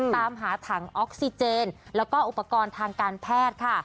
ตามหาถังออกซิเจนแล้วก็อุปกรณ์ทางการแพทย์ค่ะ